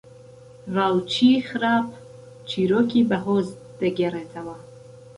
راوچیی خراپ چیرۆکی بەهۆز دەگێڕێتەوە